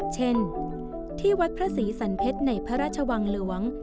เช่นที่วัดพระศรีสันเพชรในพระราชวังหลวง